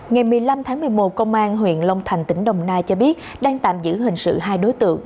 ngày một mươi năm tháng một mươi một công an huyện long thành tỉnh đồng nai cho biết đang tạm giữ hình sự hai đối tượng